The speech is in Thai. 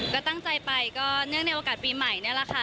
ก็ตั้งใจไปก็เนื่องในโอกาสปีใหม่นี่แหละค่ะ